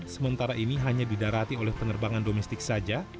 sementara ini hanya didarati oleh penerbangan domestik saja